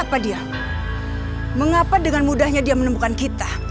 tadiah mengapa dengan mudahnya dia menemukan kita